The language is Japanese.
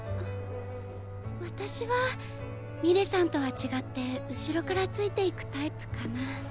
あ私はミレさんとは違って後ろからついていくタイプかな。